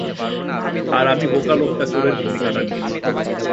আর আমি বোকা লোকটা চোরের ভূমিকাটা নিয়েছি।